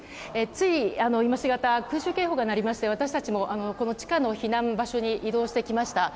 つい今しがた空襲警報が鳴りまして私たちも地下の避難場所に移動してきました。